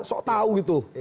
sok tau gitu